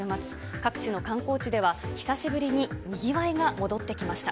各地の観光地では久しぶりににぎわいが戻ってきました。